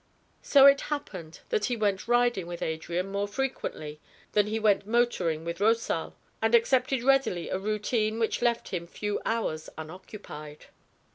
So it happened that he went riding with Adrian more frequently than he went motoring with Rosal, and accepted readily a routine which left him few hours unoccupied.